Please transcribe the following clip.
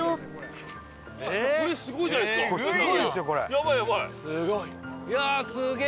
やばいやばい！